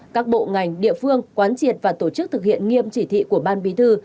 các bộ ngành địa phương quán triệt và tổ chức thực hiện nghiêm chỉ thị của ban bí thư